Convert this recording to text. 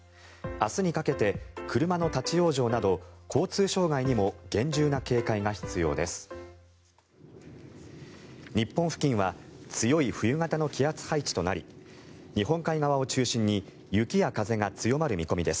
明日にかけて車の立ち往生など交通障害にも厳重な警戒が必要です。